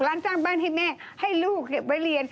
ร้านสร้างบ้านให้แม่ให้ลูกไว้เรียน